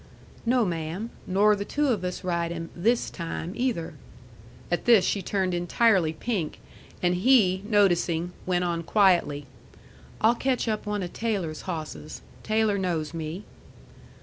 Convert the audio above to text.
"No, ma'am. Nor the two of us ride him THIS time, either." At this she turned entirely pink, and he, noticing, went on quietly: "I'll catch up one of Taylor's hawsses. Taylor knows me."